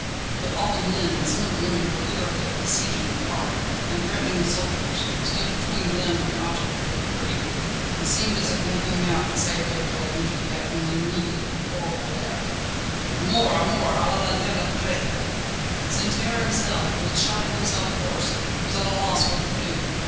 But all the men and some of the women were literally besieging the cart, and threatening the soldiers, who stood between them and the object of their fury. It seemed as if nothing now could save Déroulède and Juliette from an immediate and horrible death. "A mort! A mort! A la lanterne les traîtres!" Santerne himself, who had shouted himself hoarse, was at a loss what to do.